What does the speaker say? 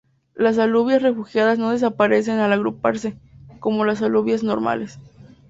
Las alubias refugiadas no desaparecen al agruparse, como las alubias normales.